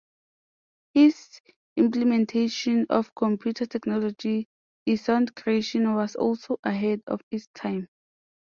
His implementation of computer technology in sound creation was also ahead of its time.